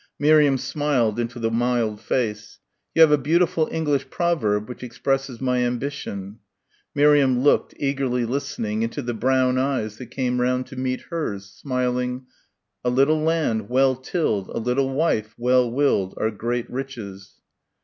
Miriam smiled into the mild face. "You have a beautiful English provairb which expresses my ambition." Miriam looked, eagerly listening, into the brown eyes that came round to meet hers, smiling: "A little land, well tilled, A little wife, well willed, Are great riches."